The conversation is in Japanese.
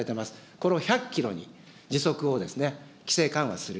これを１００キロに時速を規制緩和する。